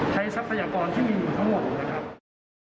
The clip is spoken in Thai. ใช้ทรัพยากรที่มีอยู่ข้างห่วงนะครับ